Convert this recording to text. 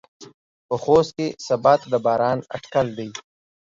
په خوست کې سباته د باران اټکل دى.